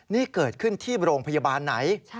นี่เกิดขึ้นที่โรงพยาบาลไหน